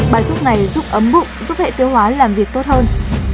bài thuốc này giúp ấm bụng giúp hệ tiêu hóa làm việc tốt hơn